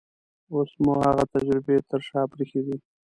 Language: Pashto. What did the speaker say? اوس مو هغه تجربې تر شا پرېښې دي.